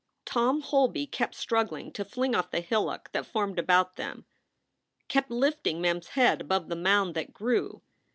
Tom Holby kept struggling to fling off the hillock that formed about them, kept lifting Mem s head above the mound that grew.